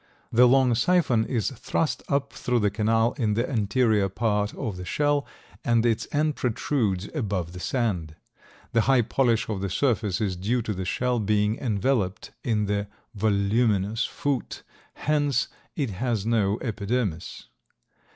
The long siphon is thrust up through the canal in the anterior part of the shell and its end protrudes above the sand. The high polish of the surface is due to the shell being enveloped in the voluminous foot; hence it has no epidermis.